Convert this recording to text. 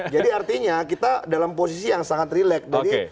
jadi artinya kita dalam posisi yang sangat relax